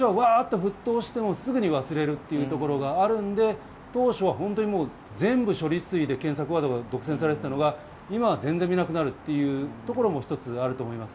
なので最初はわっと沸騰しても、すぐに忘れるというところがあるので、当初は本当に全部、処理水で検索ワードが独占されていたのが今は全然見なくなるというところも一つあると思います。